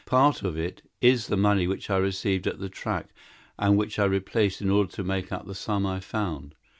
Part of it is the money which I received at the track and which I replaced in order to make up the sum I found.